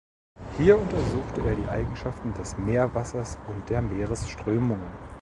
Hier untersuchte er die Eigenschaften des Meerwassers und der Meeresströmungen.